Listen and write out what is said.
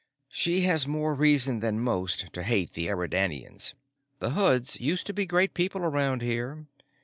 "She has more reason than most to hate the Eridanians. The Hoods used to be great people around here.